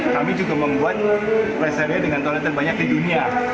kami juga membuat resernya dengan toilet terbanyak di dunia